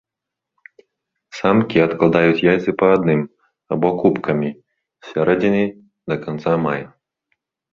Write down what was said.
Самкі адкладаюць яйцы па адным або купкамі з сярэдзіны да канца мая.